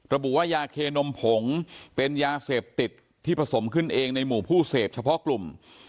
ระบุว่ายาเคนมผงเป็นยาเสพติดที่ผสมขึ้นเองในหมู่ผู้เสพเฉพาะกลุ่ม